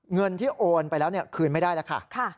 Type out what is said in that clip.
เงินที่โอนไปแล้วคืนไม่ได้แล้วค่ะ